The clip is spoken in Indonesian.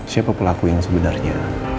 siapa pelakunya yang sebenarnya